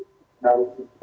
tapi disini saya suka